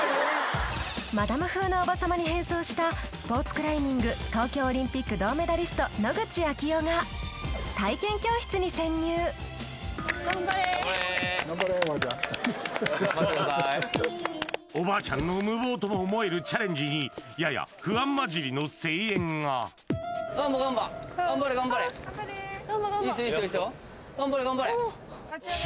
マダム風のおばさまに変装したスポーツクライミング東京オリンピック銅メダリスト野口啓代がおばあちゃんの無謀とも思えるチャレンジにやや不安まじりの声援がいいっすよいいっすよいいっすよ